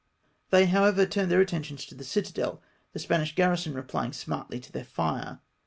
They, however, tiurned their atten tion to the citadel, the Spanish garrison replying smartly to then* fire.